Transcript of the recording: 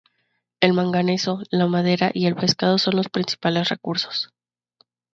El manganeso, la madera y el pescado son los principales recursos.